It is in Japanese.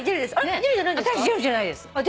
あれジェルじゃないんですか？